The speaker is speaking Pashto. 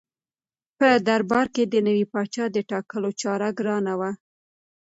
په دربار کې د نوي پاچا د ټاکلو چاره ګرانه وه.